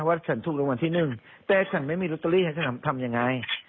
ว่าฉันถูกรางวัลที่หนึ่งแต่ฉันไม่มีลอตเตอรี่ให้ฉันทำยังไง